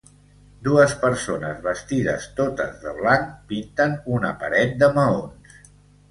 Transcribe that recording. Dues persones vestides totes de blanc pinten una paret de maons.